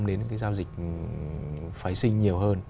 đến giao dịch vệ sinh nhiều hơn